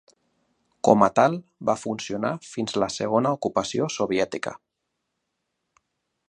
Com a tal, va funcionar fins a la segona ocupació soviètica.